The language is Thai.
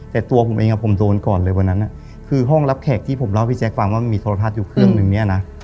แต่ตัวผมเองผมโดนก่อนเลยวันนั้นคือห้องรับแขกที่ผมเล่าให้พี่แจ๊คฟังว่ามีโทรทัศน์อยู่เครื่องนึงเนี่ยนะ